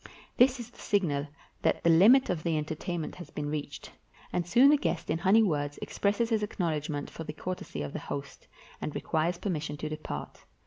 This is the signal that the limit of the entertain ment has been reached, and soon the guest in honeyed 453 PERSIA words expresses his acknowledgment for the courtesy of the host, and requests permission to depart.